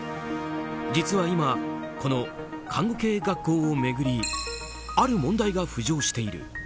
実は今、この看護系学校を巡りある問題が浮上している。